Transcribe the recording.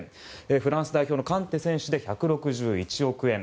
フランス代表のカンテ選手で１６１億円。